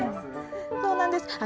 そうなんです。